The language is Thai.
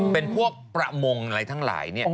เป็นพวกประมงอะไรทั้งหลาย